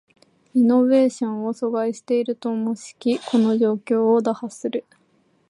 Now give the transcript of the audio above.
イノベーションを阻害していると思しきこの状況を打破する